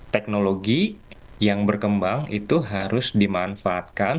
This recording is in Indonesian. teknologi yang berkembang itu harus dimanfaatkan